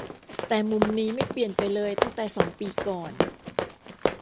แต่มุมนี้ไม่เปลี่ยนไปเลยตั้งแต่สองปีก่อน